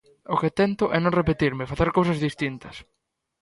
O que tento é non repetirme, facer cousas distintas.